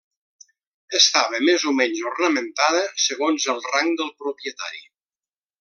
Estava més o menys ornamentada segons el rang del propietari.